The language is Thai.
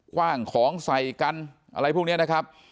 ว่างของใส่กันอะไรพวกนี้นะครับ